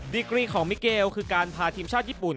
ดีกรีของมิเกลคือการพาทีมชาติญี่ปุ่น